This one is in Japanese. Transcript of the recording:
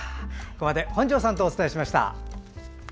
ここまで本庄さんとお伝えしました。